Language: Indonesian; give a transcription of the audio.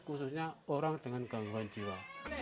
khususnya orang dengan gangguan jiwa